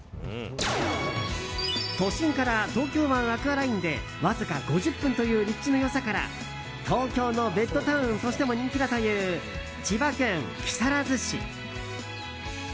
都心から東京湾アクアラインでわずか５０分という立地の良さから東京のベッドタウンとしても人気だという、千葉県木更津市。